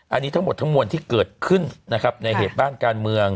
อันนี้ทั้งหมดทั้งมวลที่เกิดขึ้นนะครับในเหตุบ้านการเมือง